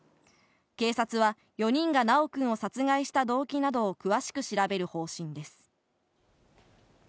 警察は、４人が修くんを殺害した動機などを詳しく調べる方針です。